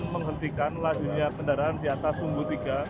menghentikan lajunya kendaraan di atas sumbu tiga